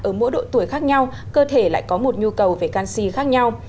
ở mỗi độ tuổi khác nhau cơ thể lại có một nhu cầu về canxi khác nhau